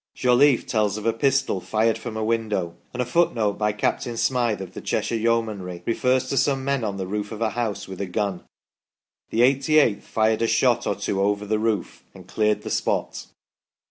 Jolliffe tells of a pistol fired from a window ; and a footnote by Captain Smyth of the Cheshire Yeomanry refers to some men on the roof of a house with a gun. " The 88th fired a shot or two over the roof and cleared the spot."